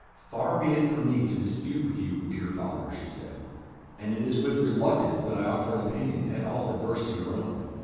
"Far be it from me to dispute with you, dear father," she said; "and it is with reluctance that I offer an opinion at all adverse to your own.